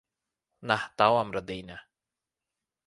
না তাও আমরা দেই না।